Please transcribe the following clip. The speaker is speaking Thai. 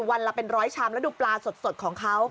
วันละเป็นร้อยชามแล้วดูปลาสดของเขา